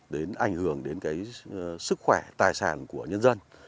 đến ảnh hưởng đến cái sức khỏe tài sản của nhân dân